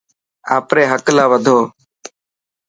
آپري حق لاءِ وڌو.